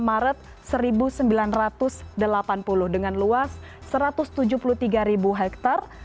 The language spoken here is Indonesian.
dua puluh maret seribu sembilan ratus delapan puluh dengan luas satu ratus tujuh puluh tiga hektare